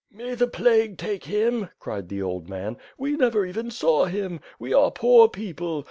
"May the plague take him!'' cried the old man. "We never even saw him. We are poor people.